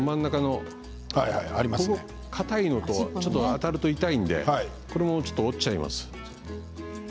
ここがかたいので当たると痛いのでこれも折っちゃいます。